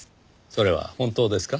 それは本当ですか？